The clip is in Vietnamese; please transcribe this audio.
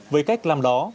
với cách làm đó